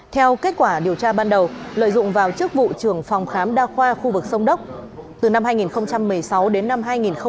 theo kết quả điều tra ban đầu lợi dụng vào chức vụ trưởng phòng khám đa khoa khu vực sông đốc từ năm hai nghìn một mươi sáu đến năm hai nghìn một mươi bảy